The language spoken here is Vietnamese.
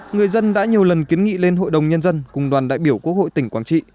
người dân đã nhiều lần kiến nghị lên hội đồng nhân dân cùng đoàn đại biểu quốc hội tỉnh quảng trị